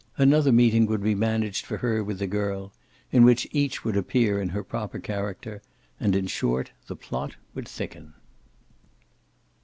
Another meeting would be managed for her with the girl in which each would appear in her proper character; and in short the plot would thicken.